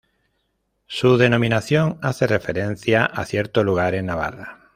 Su denominación hace referencia a cierto lugar en Navarra.